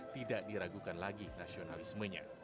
tidak diragukan lagi nasionalismenya